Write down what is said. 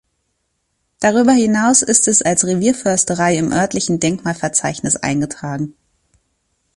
Darüber hinaus ist es als Revierförsterei im örtlichen Denkmalverzeichnis eingetragen.